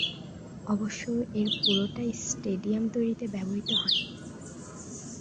অবশ্য এর পুরোটাই স্টেডিয়াম তৈরিতে ব্যবহৃত হয়নি।